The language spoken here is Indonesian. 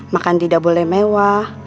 makan tidak boleh mewah